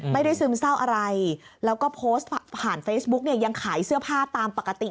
ซึมเศร้าอะไรแล้วก็โพสต์ผ่านเฟซบุ๊กเนี่ยยังขายเสื้อผ้าตามปกติ